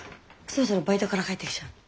そろそろバイトから帰ってきちゃうんで。